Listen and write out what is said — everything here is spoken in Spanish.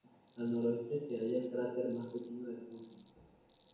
Al noroeste se halla el cráter más pequeño Moulton.